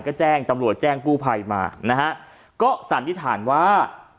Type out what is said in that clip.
ก็แจ้งตำรวจแจ้งกู้ภัยมานะฮะก็สันนิษฐานว่า